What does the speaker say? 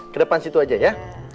ke depan situ aja ya